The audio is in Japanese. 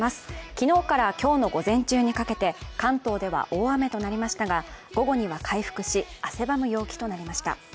昨日から今日の午前中にかけて関東では大雨となりましたが午後には回復し、汗ばむ陽気となりました。